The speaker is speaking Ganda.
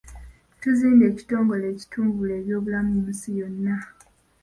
Tuzimbye ekitongole ekitumbula eby'obulamu mu nsi yonna.